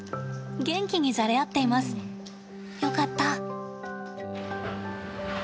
元気にじゃれ合っています。よかった。